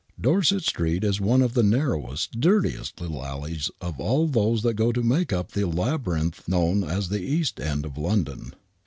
Dorset Street is one of the narrowest, dirtiest little alleys of all those that go to make up the labyrinth known as the East End of London.